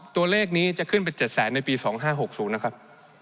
ตัวเลขนี้จะขึ้นไป๗แสนในปี๒๕๖๐นะครับ